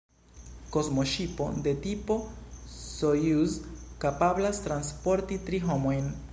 Kosmoŝipo de tipo Sojuz kapablas transporti tri homojn.